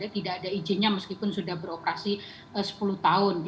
tidak ada izinnya meskipun sudah beroperasi sepuluh tahun